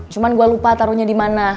cuman gue lupa taruhnya dimana